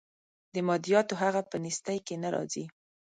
د مادیاتو هغه په نیستۍ کې نه راځي.